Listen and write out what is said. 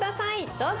どうぞ！